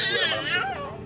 ya nanti dihubungi